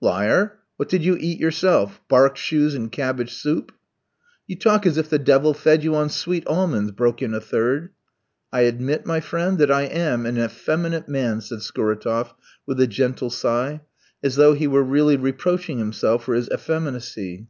"Liar! what did you eat yourself? Bark shoes and cabbage soup?" "You talk as if the devil fed you on sweet almonds," broke in a third. "I admit, my friend, that I am an effeminate man," said Scuratoff with a gentle sigh, as though he were really reproaching himself for his effeminacy.